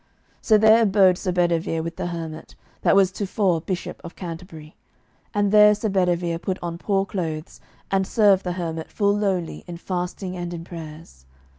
So there abode Sir Bedivere with the hermit, that was tofore Bishop of Canterbury, and there Sir Bedivere put on poor clothes, and served the hermit full lowly in fasting and in prayers.